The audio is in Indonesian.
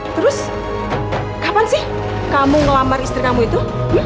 terus kapan sih kamu ngelamar istri kamu itu